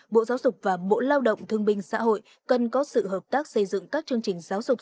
bộ giáo dục và bộ lao động thương binh xã hội cần có sự hợp tác xây dựng các chương trình giáo dục